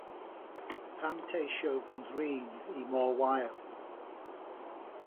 Pam Tisio Fy Nhrin i Mor Wael?